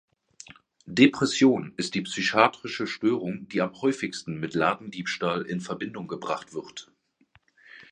Depression ist die psychiatrische Störung, die am häufigsten mit Ladendiebstahl in Verbindung gebracht wird.